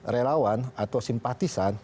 relawan atau simpatisan